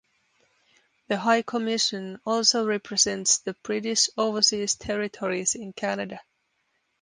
The High Commission also represents the British Overseas Territories in Canada.